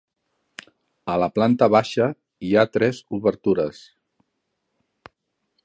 A la planta baixa hi ha tres obertures.